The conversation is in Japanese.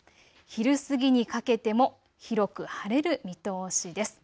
昼過ぎにかけても広く晴れる見通しです。